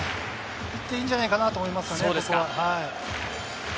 いっていいんじゃないかと思います。